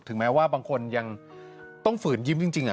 แม้ว่าบางคนยังต้องฝืนยิ้มจริง